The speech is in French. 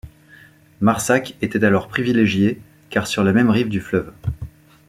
Marsac était alors privilégié, car sur la même rive du fleuve.